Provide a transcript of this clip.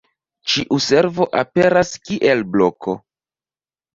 Ĉiu servo aperas kiel bloko.